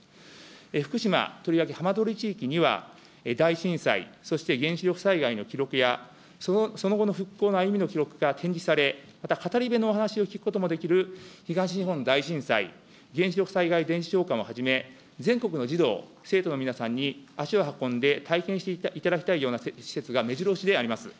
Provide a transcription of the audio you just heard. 福島、とりわけ浜通り地域には大震災、そして原子力災害の記録や、その後の復興の歩みの記録が展示され、また語り部のお話を聞くこともできる東日本大震災原子力災害伝承館をはじめ、全国の児童・生徒の皆さんに足を運んで、体験していただきたいような施設がめじろ押しであります。